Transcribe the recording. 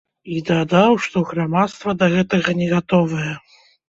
І дадаў, што грамадства да гэтага не гатовае.